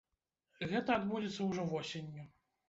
Гэта адбудзецца ўжо восенню.